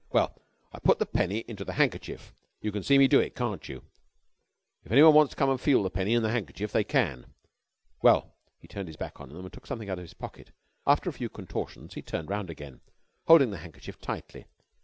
"Well, I put the penny into the handkerchief. You can see me do it, can't you? If anyone wants to come an' feel the penny is in the handkerchief, they can. Well," he turned his back on them and took something out of his pocket. After a few contortions he turned round again, holding the handkerchief tightly.